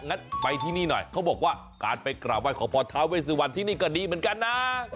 งั้นไปที่นี่หน่อยเขาบอกว่าการไปกราบไห้ขอพรทาเวสวันที่นี่ก็ดีเหมือนกันนะ